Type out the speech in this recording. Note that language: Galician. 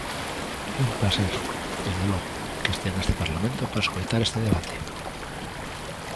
É un pracer, dende logo, que estean neste Parlamento para escoitar este debate.